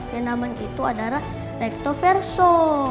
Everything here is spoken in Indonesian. yang namanya itu adalah recto verso